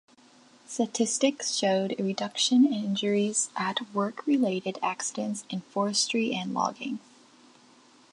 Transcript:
Statistics showed a reduction in injuries at work-related accidents in forestry and logging.